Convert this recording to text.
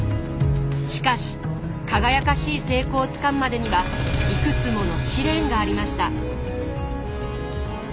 しかし輝かしい成功をつかむまでにはいくつもの試練がありました。